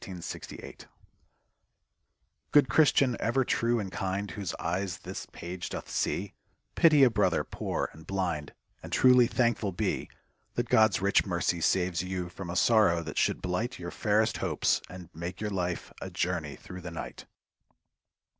••• Good Christian, ever true and kind, AVhoso eyes this page doth see, Pity a brother, poor and blind, And truly thankful be— That God's rieh mercy saves you from A sorrow that should blight Your fairest hopes and make your life A journey through the night.